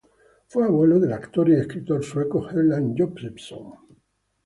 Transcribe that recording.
Fue abuelo del actor y escritor sueco Erland Josephson.